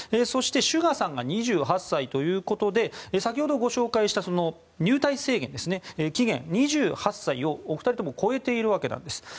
そして、ＳＵＧＡさんが２８歳ということで先ほどご紹介した入隊期限の２８歳をお二人とも超えているわけです。